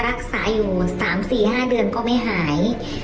รักษาอยู่๓๔๕เดือนก็ไม่หาย